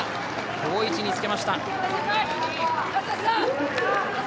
好位置につけました。